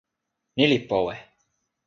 ni li powe.